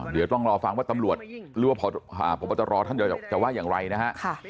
เดี๋ยวต้องรอฟังว่าตำรวจหรือว่าพบตรท่านเดียวจะว่าอย่างไรนะฮะ